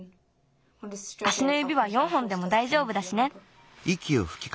足のゆびは４本でもだいじょうぶだしね。